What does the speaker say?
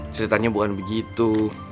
ceritanya bukan begitu